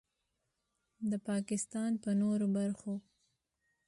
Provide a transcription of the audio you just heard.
د پاکستان په نورو برخو